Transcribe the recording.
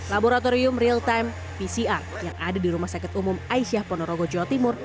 laboratorium real time pcr yang ada di rumah sakit umum aisyah ponorogo jawa timur